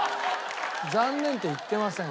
残念って言ってません。